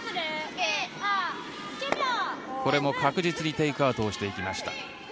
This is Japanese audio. これも確実にテイクアウトをしていきました。